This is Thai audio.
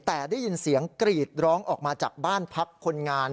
แต่ได้ยินเสียงกรีดร้องออกมาจากบ้านพักคนงาน